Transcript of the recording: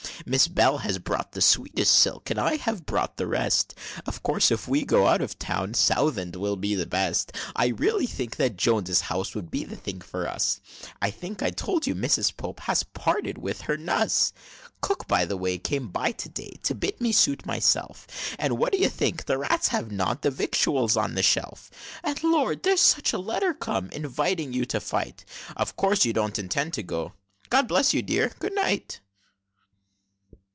"Miss Bell has bought the sweetest silk, And I have bought the rest Of course, if we go out of town, Southend will be the best. I really think the Jones's house Would be the thing for us; I think I told you Mrs. Pope Had parted with her nus "Cook, by the way, came up to day, To bid me suit myself And what d'ye think? the rats have gnawed The victuals on the shelf. And, lord! there's such a letter come, Inviting you to fight! Of course you don't intend to go God bless you, dear, good night!"